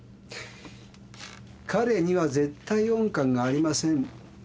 彼には「絶対音感」がありません。